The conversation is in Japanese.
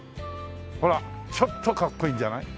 ほらちょっとかっこいいんじゃない？